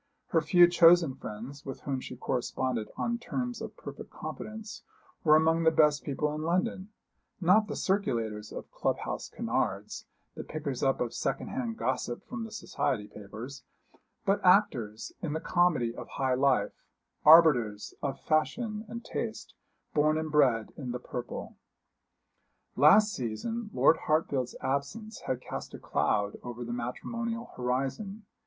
Her few chosen friends, with whom she corresponded on terms of perfect confidence, were among the best people in London not the circulators of club house canards, the pickers up of second hand gossip from the society papers, but actors in the comedy of high life, arbiters of fashion and taste, born and bred in the purple. Last season Lord Hartfield's absence had cast a cloud over the matrimonial horizon.